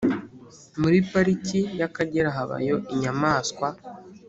muri pariki y'akagera habayo inyamanswa